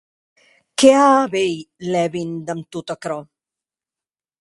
Qué a a veir Levin damb tot aquerò?